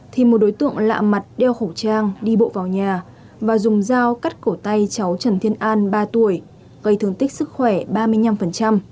thì một đối tượng lạ mặt đeo khẩu trang đi bộ vào nhà và dùng dao cắt cổ tay cháu trần thiên an ba tuổi gây thương tích sức khỏe ba mươi năm